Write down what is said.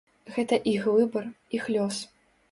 Гэта іх выбар, іх лёс.